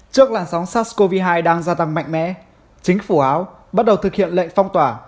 trước làn sóng sars cov hai đang gia tăng mạnh mẽ chính phủ áo bắt đầu thực hiện lệnh phong tỏa